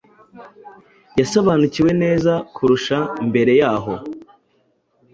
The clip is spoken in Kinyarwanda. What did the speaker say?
yasobanukiwe neza kurusha mbere yahoo